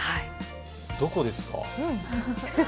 どこですか。